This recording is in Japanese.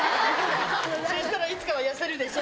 そしたらいつかは痩せるでしょ。